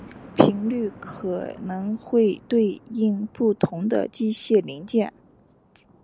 频率可能会对应不同的机械零件。